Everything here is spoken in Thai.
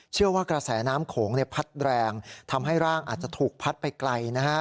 เชื่อว่ากระแสน้ำโขงพลัดแรงทำให้ร่างอาจจะถูกพลัดไปไกล